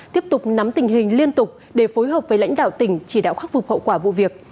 tiếp tục nắm tình hình liên tục để phối hợp với lãnh đạo tỉnh chỉ đạo khắc phục hậu quả vụ việc